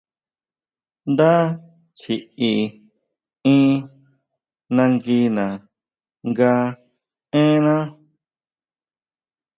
Ndá chiʼi in nanguina nga énná.